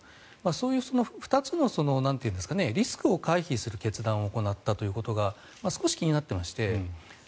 そういう２つのリスクを回避する決断を行ったということが少し気になっていまして。